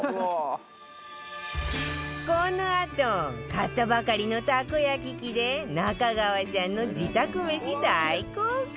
このあと買ったばかりのたこ焼き器で中川さんの自宅めし大公開！